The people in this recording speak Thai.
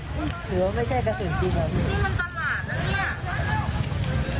หรือว่าไม่ใช่กระสุนจริงเหรอพี่